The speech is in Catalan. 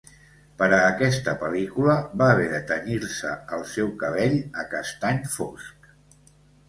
Per a aquesta pel·lícula, va haver de tenyir-se el seu cabell a castany fosc.